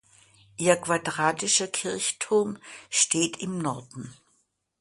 Ihr quadratischer Kirchturm steht im Norden.